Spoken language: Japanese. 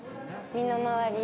身の回り。